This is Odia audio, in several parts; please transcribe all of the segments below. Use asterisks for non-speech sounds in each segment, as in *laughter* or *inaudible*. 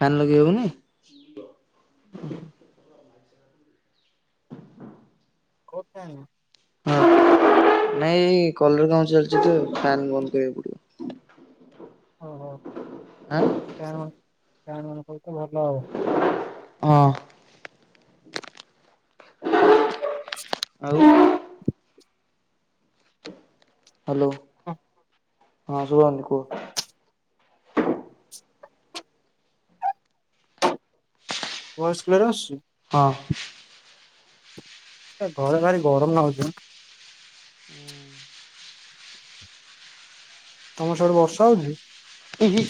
ଫ୍ୟାନ୍ ଲଗେଇ ହେଉନି? କୋଉ ଫ୍ୟାନ୍? ନାଇଁ-ଇ-ଇ-ଇ ଏ କଲର କାମ ଚାଲିଛି ତ ଫ୍ୟାନ୍ ବନ୍ଦ କରିବାକୁ ପଡିବ। ଆଁ। ଫ୍ୟାନ୍ ଫ୍ୟାନ୍ ବନ୍ଦ କଲେ ତ ଭଲ ଆଉ। ହଁ। ଆଉ ହ୍ୟାଲୋ। ହ ହଁ ଶୁଭମ୍ କୁହ। ଭୟସ୍ କ୍ଲିଅର୍ ଆସୁଛି। ହଁ। ଏ ଘରେ ଭାରି ଗରମ ନାଗୁଛି ମ। ତମର ସିଆଡେ ବର୍ଷା ହଉଛି? ଇ ହି।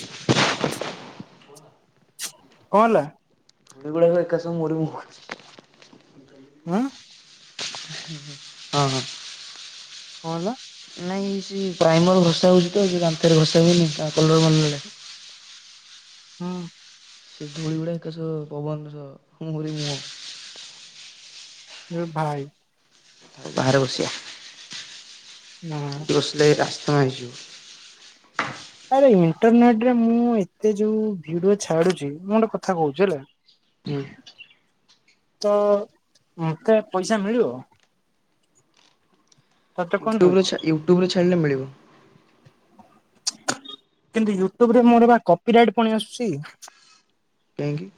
କଣ ହେଲା? *unintelligible* ଏକା ସଙ୍ଗ ମୋରି *unintelligible* ହୁଁ। ହଁ ହଁ। କଣ ହେଲା? ନାଇଁ ସିଏ ପ୍ରାଇମର ଘସା ହଉଛି ତ ଦାନ୍ତ ରେ ଘସା ହୁଏନି ତା କଲର *unintelligible* ହଁ। ସେ ଧୁଳି ଗୁଡା କ ସବୁ ପବନର ମୋରି ମୁହଁ ଜଣେ ଭାଇ ଆଉ ବାହାରେ ବସିିବା। ନା ଏଠି ବସିଲେ ରାସ୍ତା ମାଇ ଯିବ। ଆରେ ଇଣ୍ଟରନେଟ ରେ ମୁଁ ଏତେ ଯୋଉ ଭିଡିଓ ଛାଡୁଛି। ମୁଁ ଗୋଟେ କଥା କହୁଛି ହେଲା। ହୁଁ। ତ ମତେ ପଇସା ମିଳିବ? ତତେ କଣ ୟୁଟୁଵରେ ଛା ୟୁଟୁବ ରେ ଛାଡ଼ିଲେ ମିଳିବ। *unintelligible* କିନ୍ତୁ ୟୁଟୁବରେ ମୋର ବା କପିରାଇଟ ପୁଣି ଆସୁଛି। କାହିଁକି?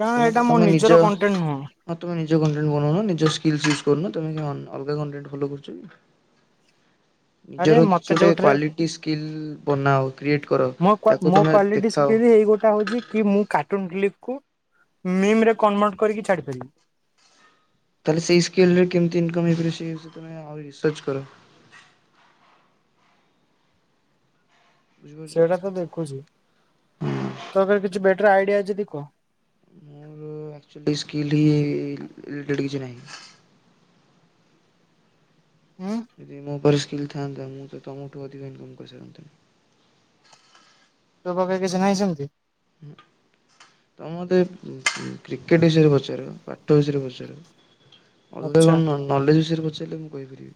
କାରଣ ତମେ ଏଇଟା ମୋ ତମେ ନିଜର ନିଜ କଣ୍ଟେଣ୍ଟ ନୁହଁ। ହଁ ତମେ ନିଜ କଣ୍ଟେଣ୍ଟ ବନଉନ। ନିଜ ସ୍କିଲ୍ସ ୟୁଜ କରୁନ। ତମେ କାଇଁ ଅନ ଅଲଗା କଣ୍ଟେଣ୍ଟ ଫଲୋ କରୁଚି କି? *unintelligible* ନିଜର କିଛି ମତେ ଗୋଟେ ଯୋଉଥିରେ କ୍ୱାଲିଟି ସ୍କିଲ୍ସ ବନାଅ କ୍ରିଏଟ୍ କର। ମୋ କ୍ ତାକୁ ମୋ ତମେ କ୍ୱାଲିଟି ଦେଖାଅ। ସ୍କିଲ୍ ଏଇ ଗୋଟା ହଉଚି କି ମୁଁ କାର୍ଟୁନ କ୍ଲିପକୁ ମିମ ରେ କନଭର୍ଟ କରିକି ଛାଡ଼ିପାରିବି। ତାହେଲେ ସେଇ ସ୍କିଲ୍ ରେ କେମିତି ଇନକମ୍ ହେଇପାରିବ ସେ ବିଷୟ ତମେ ଆହୁରି ରିସର୍ଚ କର। ବୁଝିପାରୁଛ? ସେଇଟା ତ ଦେଖୁଚି ତୋ ଧେରେ କିଛି ବେଟର ଆଇଡିଆ ଅଛି ଯଦି କହ। ମୋର ଆକ୍ଚ୍ୟୁଲି ସ୍କିଲ ଇଏ ଲେ ରିଲେଟେଡ କିଛି ନାହିଁ। ଉଁ? ଯଦି ମୋ ପାଖରେ ସ୍କିଲ୍ ଥାଆନ୍ତା। ମୁଁ ତ ତମଠୁ ଅଧିକ ଇନକମ୍ କରିସାରନ୍ତଣି। ତୋ ପାଖେ କିଛି ନାହିଁ ସେମିତି? ହୁଁ। ତମ ମୋତେ କ୍ରିକେଟ ବିଷୟରେ ପଚାର ପାଠ ବିଷୟରେ ପଚାର। ଅଲଗା କଣ ଆଚ୍ଛା ନ ନଲେଜ ବିଷୟରେ ପଚାରିଲେ ମୁଁ କହିପାରିବି।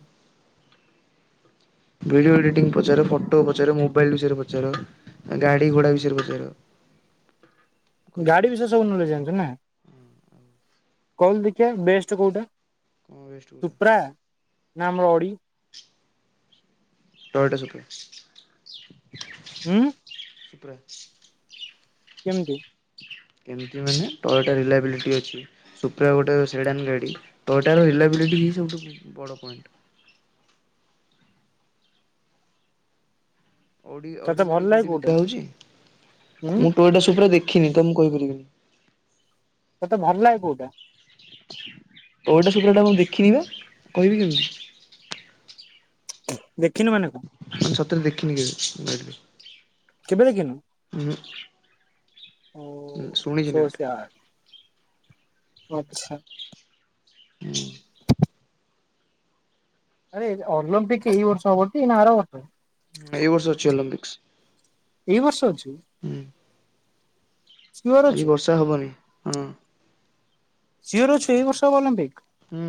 ଭିଡିଓ ଏଡିଟିଂ ପଚାର ଫଟୋ ପଚାର ମୋବାଇଲ ବିଷୟରେ ପଚାର ଗାଡି ଘୋଡ଼ା ବିଷୟରେ ପଚାର। *unintelligible* କହିଦେବି ଗାଡି ବିଷୟରେ ଆରାମସେ। ସବୁ ନଲେଜ ଜାଣିଚୁ ନା କହିଲୁ ଦେଖିବା ବେଷ୍ଟ କୋଉଟା? କଣ ବେଷ୍ଟ କୋଉଟା ସୁପ୍ରା ନା ଆମର ଅଡ଼ି? ଟୋୟଟା ସୁପ୍ରା। ଉଁ? ସୁପ୍ରା। କେମିତି? କେମିତି ମାନେ ଟୋୟଟା ରିଲାଇବିଲିଟି ଅଛି। ସୁପ୍ରିୟା ଗୋଟେ ସ୍ଵିଡେନ୍ ଗାଡ଼ି, ତଳଟାର ରିଲାବିଲିଟି ହିଁ ସବୁଠୁ ବଡ଼ ପଏଣ୍ଟ୍। ଅଡି ଅଡି ତତେ ଭଲ ଗାଡି ଲାଗେ କୋଉଠି କୋଉଟା ବିକା ହଉଚି। ହୁଁ ମୁଁ ଟୋୟଟା ସୁପ୍ରା ଦେଖିନି ତ ମୁଁ କହିପାରିବିନି। ତତେ ଭଲ ଲାଗେ କୋଉଟା? କେଉଟା ସେ ପିଲାଟା ମୁଁ ଦେଖିନି ବା। କହିବି କେମିତି? ଦେଖିନୁ ମାନେ କଁ? ସତରେ ଦେଖିନି କେବେ ଗାଡ଼ି ରେ। କେବେ ଦେଖିନୁ? ଓ ହୁଁ ଶୁଣିଛି ସୋ ନାଁ ଟା। ଓ ଆଚ୍ଛା। ହୁଁ ଆରେ ଓଲମ୍ପିକ ଏଇ ବର୍ଷ ହବଟି ନା ଆର ବର୍ଷ? ଏଇ ବର୍ଷ ଅଛି ଓଲମ୍ପିକ୍ସ। ଏଇ ବର୍ଷ ଅଛି? ସିଓର ଆଜି ଅଛୁ ବର୍ଷା ହବନି ହଁ। ସିଓର ଅଛୁ ଏଇ ବର୍ଷବ ଅଲିମ୍ପିକ? ହୁଁ।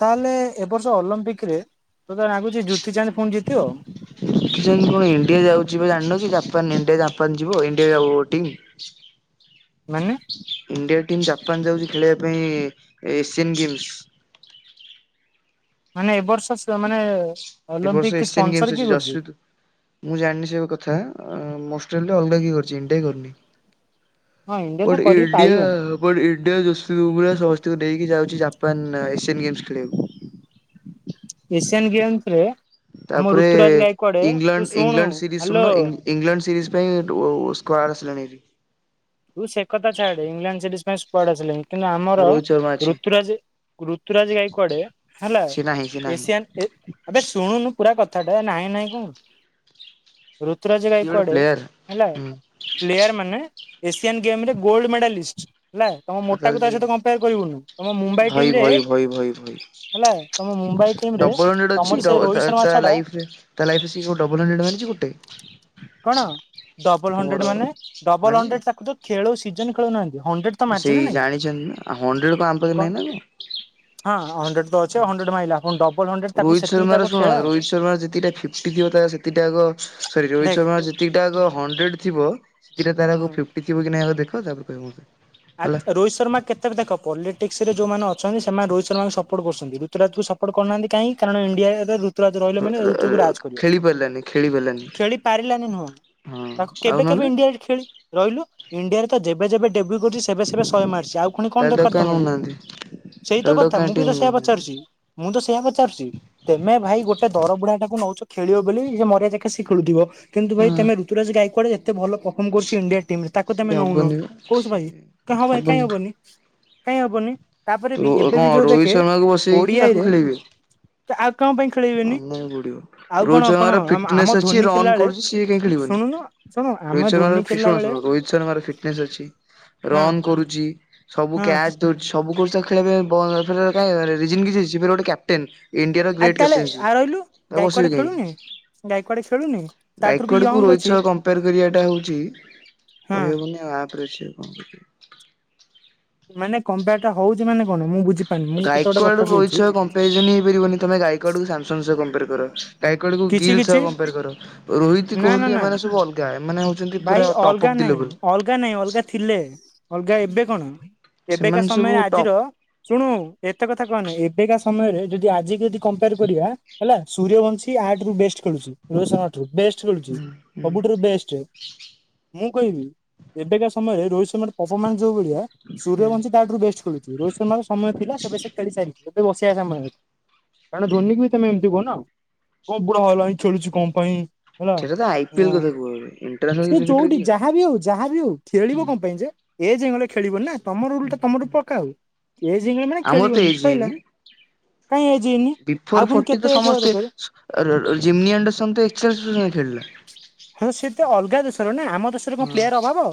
ତା ହେଲେ ଏ ବର୍ଷ ଅଲମ୍ପିକ ରେ ତୋତେ ଲାଗୁଛି ଜୁତି ଚାନ୍ଦ ପୁଣି ଜିତିବ? *unintelligible* କଣ ଇଣ୍ଡିଆ ଯାଉଚି ବାଜାଣିନ କି ଜାପାନ ଇଣ୍ଡିଆ ଜାପାନ ଯିବ ଇଣ୍ଡିଆ *unintelligible* ମାନେ? ଇଣ୍ଡିଆ ଟିମ୍ ଜାପାନ ଯାଉଚି ଖେଳିବା ପାଇଁ ଏସିଆନ ଗେମ୍ସ। ମାନେ ଏ ବର୍ଷ ସ୍ ମାନେ ଏ ବର୍ଷ ଅଲମ୍ପିକ୍ ଏସିଆନ୍ ଗେମ୍ସ ସ୍ପନ୍ସର ଅଛି କିଏ କରୁଛି? ଯଶପ୍ରୀତ୍ ମୁଁ ଜାଣିନି ସେ କଥା ମଷ୍ଟେଲରେ ଅଲଗା କିଏ କରିଚି ଇଣ୍ଡିଆ କରନି? ହଁ ଇଣ୍ଡିଆ ତ ବଟ ଇଣ୍ଡିଆ କରିପାରିବନି ବଟ୍ ଇଣ୍ଡିଆ ଯସପିତ୍ ବୁମରା ସମସ୍ତଙ୍କୁ ନେଇକି ଯାଉଚି ଜାପାନ ଏସିଆନ୍ ଗେମ୍ସ୍ ଖେଳିବାକୁ। ଏସିଆନ୍ ଗେମ୍ସ ରେ ଆମ ତାପରେ ଋତୁରାଜ ଗାଇକଡେ ତୁ ଇଂଲଣ୍ଡ ଶୁଣୁ ଇଂଲଣ୍ଡ ସିରିଜ ହ୍ୟାଲୋ ଶୁଣୁନ ଇ ଇଂଲଣ୍ଡ ସିରିଜ୍ ପାଇଁ *inaudible* ସ୍କର ଆସିଲାଣି? ତୁ ସେ କଥାଛାଡେ ଏଗଲଣ୍ଡସିରିଜ ପାଇଁ ସ୍ପଆଡ ଆସିଲାଣି। କିନ୍ତୁ ଆମର ରୋହିତ ଶର୍ମା ଅଛି ଋତୁରାଜ ଋତୁରାଜ ରଇ କୁଆଡେ ହେଲା ସିଏ ନାହିଁ, ସିଏ ନାହିଁ। ଏବେ ଶୁଣୁନୁ ପୁରା କଥାଟା ନାହିଁ ନାହିଁ କଣ ହୋଉଚୁ। ଋତୁରାଜ ଗାଈ ସିଏ ଗୋଟେ କୁଆଡେ ପ୍ଲେୟାର ହେଲା ହୁଁ ପ୍ଲେୟାର ମାନେ ଏସିଆନ୍ ଗେମ ରେ ଗୋଲ୍ଡ ମେଡାଲିଷ୍ଟ। ହେଲା ତୁମ ଆଉ ମୋଟା କୁ ତା ତାହେଲେ ସହିତ କମ୍ପେୟାର କରିବୁନି, ତୁ ମ ମୁମ୍ବାଇ ଭଇ ଟିମ ରେ ଭଇ ଭଇ ଭଇ ଭଇ ହେଲା ତମେ ମୁମ୍ବାଇ ଟିମ ରେ ଡବଲ ହଣ୍ଡ୍ରେଡ ଅଛି ତମର ସେଇ ରୋହିତ ଶମା ତା ଛଡ଼ା ଲାଇଫରେ ତା ଲାଇଫ୍ ରେ ସେ ଗୋଟେ ଡବଲ *unintelligible* ମାରିଚି ଗୋଟେ। କଣ? ଡବଲ ତମର ହଣ୍ଡ୍ରେଡ ମାନେ ଡବଲ ମାରିଛି ହଣ୍ଡ୍ରେଡ ତାକୁ ତ ଖେଳ ସିଜନ ଖେଳୁନାହାନ୍ତି, ହଣ୍ଡ୍ରେଡ ତ ମାରିଛି ନା ନାଇଁ? ଆଉ ହଣ୍ଡ୍ରେଡ କଣ ଆମ ପାଖରେ ନାଇଁ। *unintelligible* ହଁ ହଣ୍ଡ୍ରେଡ ତ ଅଛି ଆଉ ହଣ୍ଡ୍ରେଡ ମାଇଲା, ପୁଣି ଡବଲ ହଣ୍ଡ୍ରେଡ ତାକୁ ରୋହିତ ସେତିକି ଶର୍ମାର ତାକୁ ଶୁଣ ଖେଳାଅ। ରୋହିତ ଶର୍ମା ଯେତିକିଟା ଫିଫ୍ଟି ଥିବ ସେତିଟା ଆଗ ସରିଯିବ ରୋହିତ ଦେଖ ଶର୍ମା ଯେତିକିଟା ଆଗ ହଣ୍ଡ୍ରେଡ ଥିବ ସେତିକିରେ ତାର ହୁଁ ଆଗ ଫିଫ୍ଟି ଥିବ କି ନାଇଁ ଆଗ ଦେଖ, ତାପରେ କହିବ ମତେ। ଆ ହେଲା। ରୋହିତ ଶର୍ମା କେତେ ତାପରେ ଦେଖ ପଲିଟିକସରେ ଯେଉଁମାନେ ଅଛନ୍ତି ସେମାନେ ରୋହିତ ଶର୍ମାଙ୍କୁ ସପୋର୍ଟ କରୁଛନ୍ତି। ଋୁତୁରାଜକୁ ସପୋର୍ଟ କରୁନାହାନ୍ତି କାଇଁ କାରଣ ଇଣ୍ଡିଆବ *unintelligible* ଋୁତୁରାଜ୍ ରହିଲେ ମାନେ ଋତୁକୁ ରାଜ୍ କରିବ। ଖେଳି ପାରିଲାନି ଖେଳି ପାରିଲାନି ଖେଳି ପାରିଲାନି ନୁହଁ। ହଁ ତାକୁ ଆଉ କେବେ କେବେ ନହେଲେ ଇଣ୍ଡିଆରେ ଖେଳି ରହିଲୁ ଇଣ୍ଡିଆରେ ତ ଯେବେ ଯେବେ ଡେବ୍ୟୁ କରୁଛି ସେବେ ସେବେ ଶହେ ମାରିଚି ଆଉ ପୁଣି କଣ ତାହେଲେ ତାକୁ ଦରକାର କାଇଁ ତମର ନଉନାହାନ୍ତି ସେଇତ ତାହେଲେ ତାକୁ କଥା କାଇଁ ମୁଁ ବି ଟିମ୍ ତ ସେଇଆ ନଉନାହାନ୍ତି ପଚାରୁଛି ମୁଁ ତ ସେଇବା ପଚାରୁଚି? ତମେ ଭାଇ ଗୋଟେ ଦର ବୁଢା ଟାକୁ ନଉଛ ଖେଳିବ ବୋଲି ମରିିବା ଯାକେ ସିଏ ଖେଳୁଥିବ। କିନ୍ତୁ ଭାଇ ହଁ। ତମେ ଋତୁରାଜ ଗାୟକ ଆଡେ ଯେତେ ଭଲ ପର୍ଫର୍ମ କରୁଛି ଇଣ୍ଡିଆ ମ ରେ ତାକୁ ସିଏ ତମେ ନଉନ, ହବନି ବା କହୁଛୁ ଭାଇ ସିଏ କ ହବାଇ କାଇହିଁ ହବନି କାଇହିଁ ହବନି? ତାପରେ ବି ଏବେ କଣ ବି ଯୋଉ ରୋହିତ ଦେଖେ ଶର୍ମାକୁ ବସେଇକି ଓଡିଆରେ ତ ଆଉ କଣ ପାଇଁ ଖେଳେଇବେନି ବଡିବ ଆଉ କଣ ରୋଜ କଣ ଆମ ଆମ ଫିଟନେସ ଅଛି ଧୋନି ଖେଳିଲା ରନ୍ ବେଳେ କରୁଚି ସିଏ କାଇହିଁ ଶୁଣୁ ଖେଳିବନି। ଶୁଣୁନୁ ଶୁଣୁ ଆମେ ରୋହିତ ଶର୍ମା ଧୋନି ଖେଳିଲା ଭୀଷଣ ବେଳେ ଶୁଣ ରୋହିତ ଫିଟନସ୍ ଅଛି ହଁ ରନ୍ କରୁଛି ସବୁ ହଁ କ୍ୟାଚ ସବୁ ଖେଳ କିଛି *unintelligible* ରିଯିନ କିଛି ଅଛି ଗୋଟେ କ୍ୟାପଟ ଣ୍ଡିଆର। ଗ୍ରେଟ ଆଜି ତାହେଲେ କ୍ୟାପ୍ଟେନ୍ ଆ ରହିଲୁ ସ ଗାଇକଡେ ଖେଳୁନି *unintelligible* ଗାଇକଡେ ଖେଳୁନି ତାଠାରୁ ଗାଈକ ବି ଆଡକୁ ୟଙ୍ଗ ରୋହିତ ଅଛି ସହ କମ୍ପେୟାର କରିବା ଟା ହଉଛି ହଁ କହିହେବନି ଆପ ରେ ଅଛି ଆଉ। ମାନେ କମ୍ପେୟ ଟା ହଉଛି ମାନେ କଣ ମୁ ବଝି ଗାଇକଡ ରହି ସହ କମ୍ପାରିଜନ ହେଇପାରିବନି ତମେ ଗାଇକଡ ସାମସଙ୍ଗ ସହ କମ୍ପେୟାର କର। ଗାଈକଡକୁ କିଛି ଗିଲ୍ କିଛି ସହ କମ୍ପେୟାର କର। ରୋହିତ ନା ନା କୋହଲି ନା ଏମାନେ ସବୁ ଅଲଗା, ଏମାନେ ହଉଛନ୍ତି ଭାଇ ପୁରା ଟପ୍ ଅଲଗା ଅଫ୍ ନାହିଁ ଦିଲ ଅଲଗା ନାାଇଁ ଅଲଗା ଥିଲେ ଅଲଗା ଏବେ କଣ ଏବେକା ସେମାନେ ସବୁ ସମୟରେ ଆଜିର ଟପ୍। ଶୁଣୁ ଏତେ କଥା କହ ନା ଏବେକା ସମୟରେ ଯଦି ଆଜି ଯଦି କମ୍ପେୟାର କରିବା ହେଲା ସୂର୍ଯ୍ୟବଂଶୀ ସିଏ ଇଆ ଠାରୁ ବେଷ୍ଟ୍ ଖେଳୁଛି ରୋହିତ୍ ଶର୍ମା ଠୁ ବେଷ୍ଟ ଖେଳୁଛି ହୁଁ ହୁଁ ସବୁଠାରୁ ବେଷ୍ଟ। ମୁଁ କହିବି ଏବେକା ସମୟରେ ରୋହିତ ଶର୍ମାର ପରଫମାନ୍ସ ଯୋଉ ଭଳିଆ ହୁଁ ସୂର୍ଯ୍ୟବଂଶ ତାଠାରୁ ବେଷ୍ଟ ଖେଳୁଛି, ରୋହିତ ଶର୍ମାଙ୍କ ସମୟ ଥିଲା, ସେବେ ସେ ଖେଳି ସାରିଛି ଏବେ ବସେଇବା ସମୟ। ମାନେ ଧୋନି ବି ତମେ *unintelligible* କଣ ବୁଢା ହଲାଣିଁ! ! ! ! ! ! ! ! ! ! କଣ ପାଇଁ? ହେଲା ସେଟା ତ ଆଇ ପିଏଲ ହଁ କଥା କୁହା ହୁଏ ଇଣ୍ଟରନ୍ୟାସନାଲ ସେ କ୍ରିକେଟରେ ଯୋଉଠି କିଏ? ଯାହାବ ହୋଉ ଯାହାବି ହଉ ଖେଳିବ କଣ ପାଇଁ ଯେ ଏଯ ଖେଳିବନି ନାଁ ତମ ରୁଲ ଟା ତମର ରୁ ପକ୍କାଓ। ଏଜେ ହେଇଗଲା ମାନେ ଆମର ତ ଖେଳିବନି, ଏଜ୍ ସରିଲା ହେଇନି କାଇଁ ଏଜ୍ ହେଇନି ଆଉ ପୁଣି କେତେ ଏଜ୍ ହବ ଦକରେ? ଜିନି ଆଣ୍ଡରସନ୍ ତ ଏ *unintelligible* ଖେଳିଲା। ହଁ ସେ ତ ଅଲଗା ଦେଶର ନା ଆମ ଦେଶରେ କଣ ହଁ ପ୍ଲେୟାର ଅଭାବ।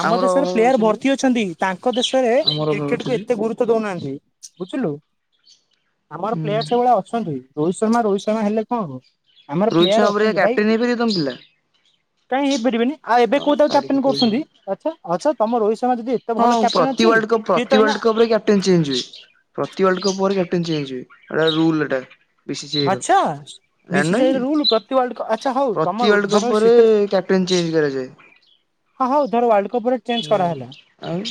ଆମ ଆମର ଦେଶରେ ଅଭାବ ପ୍ଲେୟାର ବା, ଭର୍ତ୍ତି ଅଛନ୍ତି, ତାଙ୍କ ଦେଶରେ ଆମର ଅଭାବ କ୍ରିକେଟ କୁ ଅଛନ୍ତି। ଏତେ ଗୁରୁତବ ଦଉନାହାନ୍ତି। ବୁଝିଲୁ ଆମର ପ୍ଲେୟାର ହୁଁ ସବୁବେଳେ ଅଛନ୍ତି ରୋହିତ ଶର୍ମା ରୋହିତ ଶର୍ମା ହେଲେ କଣ ହେବ। ଆମର ରୋହିତ ଶର୍ମା ପ୍ଲେୟାର ପରିକା ଅଛନ୍ତି ଭାଇ। *unintelligible* କାଇଁ ହେଇପାରିବେନି ଆଉ ଏବେ ହଁ କୋଉ ତାଉ ତାଡି କ୍ୟାପଟନ ପକେଇବେ କରୁଛନ୍ତି ସବୁ। ଆଚ୍ଛା। ଆଚଛ ତମ ରୋହିତ ଶର୍ମା ଯଦି ଏତେ ଭଲ କ୍ୟାପଟେନ୍ ଅଛି ସିଏ ତ ଏଇନା ଚେଞ୍ଜସ୍ ପ୍ରତିୱାର୍ଡକୁ ମୁଁ ଆଟେନ୍ସ ନେଇକି ଯିବି ରୁଲ ଏଇଟା। ପିସି ଯାଇର ଆଚ୍ଛା ଜାଣିନ ବିସିସିଆଇ ର କି ରୁଲ ପ୍ରତି ୱାର୍ଲଡ କପ୍ ଆଚ୍ଛା ହଉ ତମ ପ୍ରତି ଧର ୱାର୍ଲଡକପରେ ଶୀତରେ କା ଟେନ ଚେଞ୍ଜ କରାଯାଏ। ହଁ ହଉ ଧର ୱାର୍ଲକପ ରେ ଚେଞ୍ଜ ହୁଁ। କରାହେଲା। ଆଉ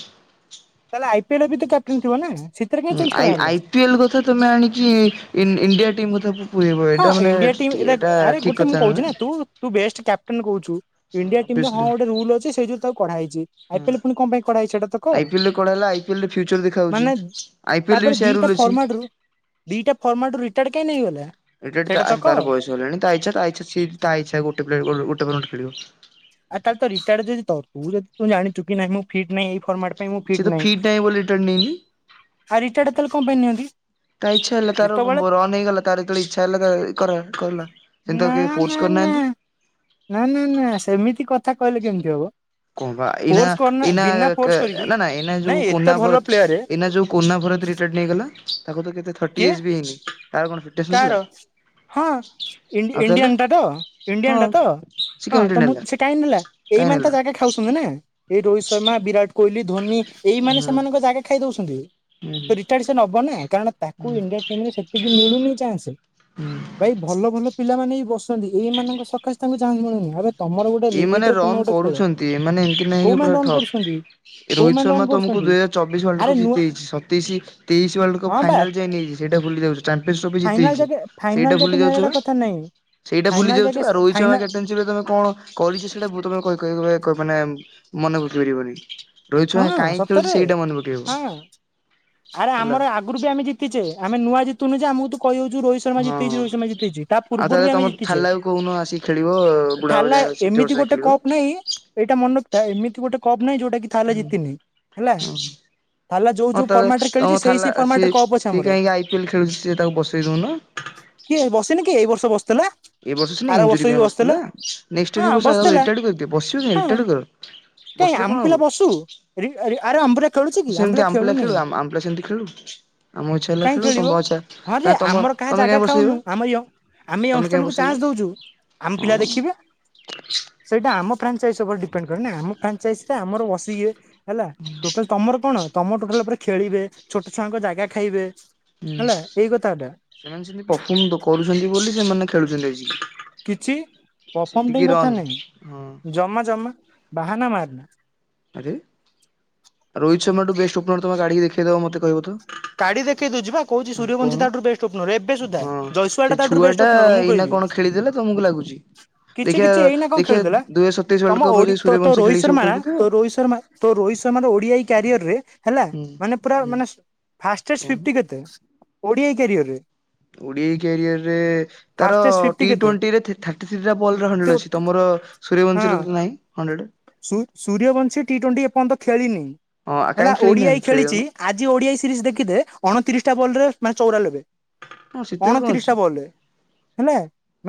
ତାହେଲେ ଆଇ ପି ଏଲରେ ବି ତ କ୍ୟାପଟେନ ଥିବ ନାସେ ହୁଁ ଆଇ ଆଇ ପି ଏଲ କଥା ତମେ ଆଣିଚ ଇ-ଇଣ୍ଡିଆ ଟିମ୍ କଥା କୁ ପୁରେଇବ ହଁ ଏଇଟା ମାନେ ଇଣ୍ଡିଆ ଟିମ୍ ଠି ଦେଖ ଏଇଟା ଆରେ ଗୋଟେ ଠିକ ମୁଁ କହୁଛି ନା କଥାନ। ତୁ ତୁ ବେଷ୍ଟ କ୍ୟାପଟେନ୍ କହୁଛୁ? ଇଣ୍ଡିଆ ଟିମ ରେ ହଁ ଅଭିଅସଲି ଗଟେ ରୁଲ ଅଛି ସେଇ ଯଉ ତାକୁ କଢା ହେଇଛି ଆଇ ପି ହଁ ଏଲ ପୁଣି କଣ ପାଇଁ କଢା ହେଇଛି ସେଇଟା ତ କହ ଆଇ ପି ଏଲ ରେ କୁଆଡେ ହେଲା ଆଇ ପି ଏଲରେ ଫ୍ୟୁଚର ଦେଖା ହଉଛି ମାନେ ଆଇ ପି ଏଲରେ ତାପରେ ବି ସେୟା ଦିଟା ରୁଲ ଅଛି। ଫର୍ମାଟ ରୁ ଦିଟା ଫର୍ମାଟ ରିଟାର୍ କାଇଁ ନେଇଗଲା? ଏ ସେଇଟା ତ କହ। ତାର ବୟସ ହେଲାଣି ତା ଇଛା ତା ଇଛା ତା ଇଛା ଗୋଟେ *inaudible* ଖେଳିବ। ଆ ତାହେଲେ ତ ରିଟାର୍ଡ ଯଦି ତ ତୁ ଯଦି ତୁ ଜାଣିଚୁ କିି ନାଇ ମୁଁ ଫିଟ ନାଇଁ ଏଇ ଫର୍ମାଟ୍ ପାଇଁ ମୁଁ ସିଏ ତ ଫିଟ ନାହିଁ ଫିଟ୍ ବୋଲି ରିଟର୍ନ ନେଇନି। ଆ ରିଟାର୍ଡ଼ ତାଲେ କଣ ପାଇଁ ନିଅନ୍ତି? ତା ଇଚ୍ଛା ହେଲା ତାର ଯେତେବେଳେ ରନ ନେଇଗଲା ତାର ଯେତଳେ ଇଚ୍ଛା ହେଲା ତାର କର କରିଲା ନା କିନ୍ତୁ କେହି ନା ଫୋର୍ସ କରି ନା ନାହାନ୍ତି। ନା ନା ନା ସେମିତି କଥା କହିଲେ କେମିତି ହବ? କଣ ବା ଏନା ଫୋର୍ସ କରନା ଏନା ବିନା କା ଫୋର୍ସ କରିକି ନା ନା ଏନା ଯୋଉ ନାଇଁ ଏତେ କୋନା ଭଲ ପ ପ୍ଲେୟାର ଏଇନା ଯୋଉ କୋନା ଭରତି ରିଟାର୍ଡ଼ ନେଇଗଲା ତାକୁ ତ କେତେ ଟି କିଏ ଏଚ ବି ହେଇକି ତାର କଣ ଫିଟନେସ୍ କାହାର ନଥିଲା। ହଁ ଆଉ ତାହେଲେ ଇଣ୍ଡି-ଇଣ୍ଡିଆନଟା ତ ଇଣ୍ଡିଆନ ହଁ ଟା ତ ସେ ହଁ କାଇଁ ରିଟର୍ନ ତ ମୁଁ ନେଲା ସେ କାହିଁକି ହେଲା କାଇଁ ଏଇମାନେ ତ ନେଲା ଜାଗା ଖାଉଛନ୍ତି ନା ଏଇ ରୋହିତ ଶର୍ମା ବିରାଟ କୋହଲି ଧୋନି ଏଇ ହୁଁ ମାନେ ହୁଁ। ସେମାନଙ୍କ ଜାଗା ଖାଇ ଦଉଛନ୍ତି ରିଟାର୍ ସେ ନବ ନା କାରଣ ହୁଁ ତାକୁ ଇଣ୍ଡିଆ ଟିମରେ ସେତିକି ମିଳୁନି ଚାନ୍ସ। ହୁଁ ଭାଇ ଭଲ ଭଲ ପିଲାମାନେ ବି ବସନ୍ତି ଏଇମାନଙ୍କ ସକାଶେ ତାଙ୍କୁ ଚାନ୍ସ ମିଳୁନି। ଏବେ ତମର ଗୋଟେ ଏମାନେ ଲିମିଟରେ ତମେ ରନ୍ ଗୋଟେ ଖେଳ କରୁଛନ୍ତି ଏମାନେ ଏମତି ନାହିକି କୋଉମାନେ ପୁରା ରନ୍ ଠପ୍ କରୁଛନ୍ତି ରୋହିତ କୋଉମାନେ ରନ୍ ଶର୍ମା ତମକୁ କରୁଛନ୍ତି ଦୁଇ ହଜାର ଚବଶ ୱାଲର୍ଡ ଆରେ କପ୍ ନୂଆ ଜିତେଇଛି ସତେଇଶି ତିରିଶ ୱାର୍ଲଡ କପ୍ ହଁ ବା ଫାଇନାଲ ଯାଇ ନେଇଯା ସେଇଟା ଭୁଲି ଯାଉଛ ଚାମ୍ପିଆନ୍ ଟ୍ରଫି ଫାଇନାଲ ଜିତେଇଛି ଯାକେ ଫାଇନାଲ ସେଇଟା ଯାକେ ଭୁଲି ଯାଉଛ ନେବାଟା ବା କଥା ନାଇଁ ସେଇଟା ଭୁଲି ଫାଇନାଲ ଯାଉଛ ଯାକେ ଆଉ ସେ ରୋହତ ଫାଇନା ଶର୍ମା *unintelligible* ତମେ କଣ କରିଛ ସେଇଟା ତମେ କହିହ ମାନେ ମନେ ବୁଝି ପାରିବ ବୋଲି? ରୋହିତ ଶର୍ମା ହଁ କାହିଁକି ଖେଳୁଛି ସତରେ। ସେଇଟା ମନେ ପକେଇବ ହଁ ଆରେ ହେଲା। ଆମର ଆଗରୁ ବି ଆମେ ଜିତିଛେ ଆମେ ନୂଆ ଜିତୁ ନୁ ଯେ ଆମକୁ ତୁ କହି ଦ ଯୋଉ ରୋହିତ ଶର୍ମା ହଁ ଜିତେଇଛି ହଁ ରୋହିତ ଶର୍ମା ଜିତେଇଛି ତା ଆଉ ପୂର୍ବରୁ ତାହେଲେ ବି ଆମେ ତମ ଜିତିଛେ ଥାଲାକୁ କହୁନ ଆସିକି ଖେଳିବ ବୁଢା ହବା ଥାଲା ଯାଏ ଷାଠିଏ ବର୍ଷ ଏମିତି ଯାଏ ଗୋଟେ ଖେଳିବ କପ୍ ନାଇଁ ଏଇଟା ମନରଖିଥା ଏମିତି ଗୋଟେ କପ୍ ନାହିଁ ଯୋଉଟା କି କଥା ହେଲା ଜିତିନି ହେଲା। ଥାଲା ଯୋଉ ହଁ ଯୋଉ ତାଲେ ଫର୍ମାଟ ରେ ଖେଳିଛି ତମ ସେଇ ଥାଲା ସେଇ ଫର୍ମାଟ ରେ ସିଏ କପ୍ ଅଛି ସିଏ ଆମର କାହିଁକି ଆଇ ପି ଏଲ ଖେଳୁଛି ସି ତାକୁ ବସେଇ ଦଉନ। କିଏ ବସିନି କି ଏଇ ବର୍ଷ ବସିଥିଲା। ଏ ବର୍ଷ ସିନା ଆର ବର୍ଷ ଏଞ୍ଜୁରି ବି ପାଇଁ ବସିଥିଲା ନେଷ୍ଟ ହଁ ବି ବର୍ଷ ବସିଥିଲା ରିଟାଏଡ କର ବସିବ ହଁ କାଇଁ? କାଇଁ ବସିଲେ କଣ ଆମ ହବ ପିଲା ବସୁ ରି ଆ ଆମ୍ *unintelligible* ସେମିତି ଆମ ପିଲା ଖେଳୁ ଆମ ପିଲା ସେମିତି ଖେଳୁ। ଆମ ଇଚ୍ଛା ହେଲା କାଇଁ ଖେଳୁ ଖେଳିବ ତମ ଇଚ୍ଛା ହଁ ଯେ କା ତମ ଆମର କାହା ତମେ ଜାଗା କାହିଁ ଖାଉନୁ ବସେଇବ? ଆମ ୟ ଆମେ ଏଇ ତମେ କାଇଁ ଅନୁଷ୍ଠାନକୁୁ ବସେଇବ ଚାନ୍ସ ଦଉଛୁ ଆମ ହଁ ପିଲା ଦେଖିବେ। ସେଇଟା ଆମ ଫ୍ରାଞ୍ଚାଇଜ୍ ଉପରେ ଡିପେଣ୍ଡ କରେନ ଆମ ଫ୍ରାଞ୍ଚାଇଜ ରେ ଆମର ବସି ଇଏ ହେଲା ଟୋଟାଲ ତମର କଣ ତମର ଟୋଟାଲ ଉପରେ ଖେଳିବେ ଛୋଟ ଛୁଆଙ୍କ ଜାଗା ଖାଇବେ। ହୁଁ ହେଲା ଏଇ କଥାଟା। ସେମାନେ ସେମିତି ପରଫମ କରୁଛନ୍ତି ବୋଲି ସେମାନେ ଖେଳୁଛନ୍ତି ଆଜି କିଛି ପଫର୍ମ ପାଇଁ କଥା ହଁ ନାହିଁ ଜମା ଜମା ବାହାନା ମାରନା ଆରେ ରୋହିତ ଶର୍ମାଠୁ ବେଷ୍ଟ୍ ଓପନର୍ ତୁମେ କାଡ଼ିକି ଦେଖେଇ ଦବ ମୋତେ କହିବ ତ। କାଢ଼ୀ ଦେଖେଇ ଦଉଚି ପା କହୁଛି ହଁ ସୂର୍ଯ୍ୟବଂସ କହୁନ ତାଠୁରୁ ବେଷ୍ଟ ଓପନର ଏବେ ସୁଧା ହଁ ଜସୁୱା ଟା ତାଠୁ ବଷ୍ଟ ଓପନର ମୁଁ କହିବି। ଖେଳିଦେଲେ ତମକୁ ଲାଗୁଛି। କିଛି ଦେଖିବା କିଛି ଏଇନା କଣ ଦେଖିବା ଖେଳୁଦେଲେ ଦୁଇ ହଜାର ସତେଇଶ ୱାର୍ଲଡ ତମ କପରେ ଓଡ଼ି ଯଦି ତୋ ତୋ ସୂର୍ଯ୍ୟବଂଶୀ ରୋହିତ ଖେଳିକି ସବୁ ଶର୍ମା କରି ନା ପକେଇବ ତୋ ରୋହିତ ଶର୍ମା ତ ରୋହିତ ଶର୍ମା ର ଓଡିଆ ଏଇ କ୍ୟାରିୟର ରେ ହେଲା ହୁଁ ମାନେ ପୁରା ହୁଁ ମାନେ ଫାଷ୍ଟ ରେ କହୁନୁ ସ୍ପିଟି କେତେ ଓଡିଆ କ୍ୟାରିଅର ରେ? ଓଡିଆଇ କ୍ୟାରିୟର ରେ ତାର ଫିଫ୍ଟି ଟି କେତେ? ଟ୍ୱଣ୍ଟିରେ ଥି ଥାର୍ଟି ଥ୍ରୀ ବଲ ର ତୋ ହଣ୍ଡଡ୍ରେଟ ଅଛି ତମର ହଁ ସୂର୍ଯ୍ୟବଂଶୀ ର ତ ନାଇଁ ହଣ୍ଡ୍ରେଡ଼? ସୁ ସୂର୍ଯ୍ୟବଂଶୀ ଟି ଟ୍ୱଣ୍ଟି ଏପର୍ଯ୍ୟନ୍ତ ଖେଳିନି ହଁ ହେଲା କାହିଁ ଓଡିଆଇ ଖେଳିନାହାନ୍ତି ଖେଳିଚି ଖେଳିଗଲ ଆଜି ଓଡିଆଇ ସିରିଜ ଦେଖିଦେ ଅଣତିରିଶଟା ବୋଲ ରେ ମାନେ ଚଉରା ଲବେ। ହଁ ସେଥିରେ କଣ ଅଣତିରିଶ ଅଛି ଟା ବଲ ରେ ହେଲା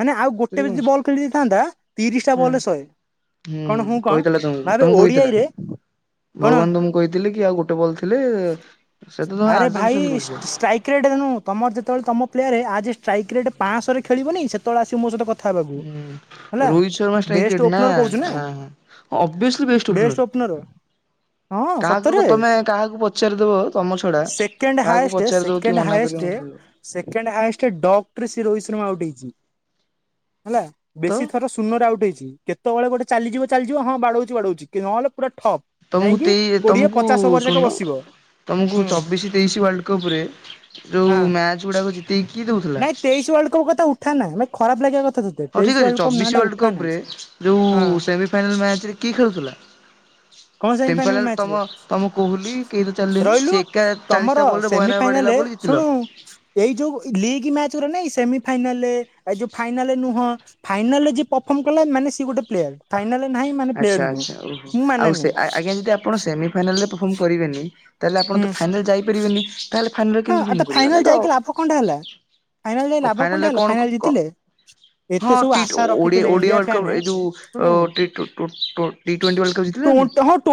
ମାନେ ଆଉ ସେଥିରେ ଗୋଟେ ବି କଣ ଯଦି ଅଛି। ବଲ ଖେଳି ଦେଇଥାନ୍ତା ତିରିଶାଟ ହଁ ବଲ ରେ ସେ ହେ କଣ ହୁଁ କଣ କହିଥିଲା ତମକୁ ଭାବେ ତମକୁ କହିଥିଲା। ଓଡିଆରେ ଭଗବାନ ତମକୁ କହିଥିଲି କି ଆଉ ଗୋଟେ ବଲ ଥିଲେ ସେ ତ ତମେ ଆରେ ଆଜମ ଭାଇ ଶୁଣି ଦୋଉଚ। ଷ୍ଟ୍ରାଇକ୍ ରେଟ୍ ଦେନୁ ତମର ଯେତେବେଳେ ତମ ପ୍ଲେୟାରରେ ଆଜି ଷ୍ଟ୍ରାଇକ୍ ରେଟ୍ ପାଂଶହ ରେ ଖେଳିବନି ସେତବେଳେ ଆସିବ ମୋ ସହିତ କଥା ହେବାକୁ ହୁଁ ହେଲା। Rohit Sharma strike best rate ନା ଓପନର ଅଁ କହୁଛୁ ହ ଅବ୍ୟସିଲି ବେଷ୍ଟ *unintelligible* ହଁ ସତରେ। କାହାକୁ ତମେ କାହାକୁ ପଚାରିଦବ ତମ ଛଡା ସେକେଣ୍ଡ କାହାକୁ ହାଏଷ୍ଟ ପଚାରି ଦବ ସେକେଣ୍ଡ କିଏ ମନା ହାଏଷ୍ଟ କରିବ ମତେ କହିବ। ସେକେଣ୍ଡ ହାଇଏଷ୍ଟ ରେ ଡ଼କ୍ଟ ରେ ସେ ରୋହିତ ଶର୍ମା ଆଉଟ୍ ହେଇଚି ହେଲା ବେଶୀ ତ ଥର ସୋ ସୁୂନରେ ଆଉଟ୍ ହେଇଚି କେତବେଳେ ଗୋଟେ ଚାଲିଯିବ ଚାଲିଯିବ ହଁ ବାଡୋଉଚି ବାଡୋଉଚି କି ନହେଲେ ପୁରା ଠପ୍। ତମକୁ ଯାଇକି ତି କୋଡିଏ ତମକୁ ପଚାଶ ଓଭର ଯାକ ଶୁନ ବସିବ ତମକୁ ହୁଁ ଚବିଶି ତେଇଶି ୱାର୍ଲଡ କପ୍ ରେ ଯୋଉ ହଁ। ମ୍ୟାଚ୍ ଗୁଡାକ ଜିତେଇକି କିଏ ଦଉଥିଲା ନାଇଁ ତେଇଶି ୱାର୍ଲଡ କପ୍ କଥା ଉଠାନା ମେ ଖରାପ ଲାଗିବା କଥା ତ ହଉ ଠିକ ଅଛି ଚବିଶ ୱାର୍ଲଡ କପ୍ ରେ ହଁ ଯୋଉ ସେମିଫାଇନାଲ ମ୍ୟାଚ୍ ରେ କିଏ ଖେଳୁଥିଲା? କଣ ସେମିଫାଇନାଲ ତମ ମ୍ୟାଚରେ ତମ କୋହଲି କେହି ତ ଚାଲିଲେନି ରହିଲୁ ସିଏ ଏକା ଚାଳିଶ ତମର ଟା ବଲ ରେ ବୟାନବେ ବାଡେଇଲା ସେମିଫାଇନାଲରେ ବୋଲି ଜିତିଲ। ଶୁଣୁ ଏଇ ଯୋଉ ଲିଗ୍ ମ୍ୟାଚରେ ନାଇଁ ସେମି ଫାଇନାଲରେ ଏ ଯୋଉ ଫାଇନାଲରେ ନୁହଁ ଫାଇନାଲ ରେ ଯିଏ ପର୍ଫର୍ମ କଲା ମାନେ ସିଏ ଗୋଟେ ପ୍ଲେୟାର ଫାଇନାଲ ରେ ନାହିଁ ମାନେ ପ୍ଲେୟର ନୁହଁ ମୁଁ ମାନେନି। ଆ ଆଜ୍ଞା ଯଦି ଆପଣ ସେମି ଫାଇନାଲ ରେ ପର୍ଫର୍ମ କରିବେନି ତାହେଲେ ଆପଣ ହୁଁ ତ ଫାଇନାଲ ଯାଇପାରିବେନି ତାହେଲେ ଫାଇନାଲରେ ହଁ କିନ୍ତୁ ଆଉ ତ ହୁମ କରିବେ ଫାଇନାଲ ନାଇଁ ତ ଯାଇକି ଲାଭ କଣଟା ହେଲା ଫାଇନାଲ ଯାଇ କ ଲାଭ ଫାଇନାଲ କଣଟା ରେ ହେଲା କଣ କ କ ଜିତିଲେ। ଏତେ ହଁ ସବୁ ଟିଟ ଓ ଆଶା ରଖିଥିଲେ Odia India Odia world fan cup ଏ ଯଉ ଶୁଣୁ ଅ ଟି ଟୋ ଟୋ ଟୋ ଟି ଟେଣ୍ଟି ୱାର୍ଲଡ କପ ଜିତି ଟୋଣ୍ଟ ନାହାଥାନ୍ତି? ହଁ ଟୋ